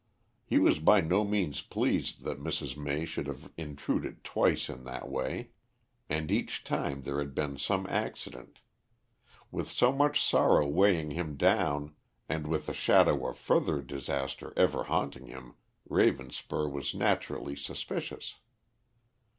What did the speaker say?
He was by no means pleased that Mrs. May should have intruded twice in that way. And each time there had been some accident. With so much sorrow weighing him down and with the shadow of further disaster ever haunting him, Ravenspur was naturally suspicious.